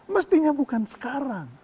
mestinya bukan sekarang